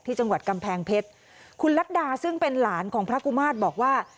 จังหวัดกำแพงเพชรคุณรัฐดาซึ่งเป็นหลานของพระกุมาตรบอกว่า